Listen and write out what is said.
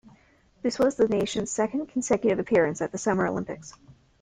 This was the nation's second consecutive appearance at the Summer Olympics.